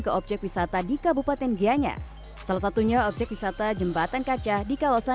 ke objek wisata di kabupaten gianyar salah satunya objek wisata jembatan kaca di kawasan